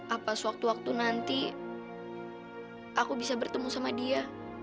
apas waktu waktu nanti aku bisa bertemu sama dia